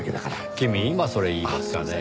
君今それ言いますかねぇ？